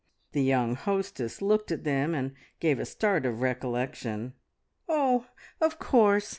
The young hostess looked at them and gave a start of recollection. "Oh, of course!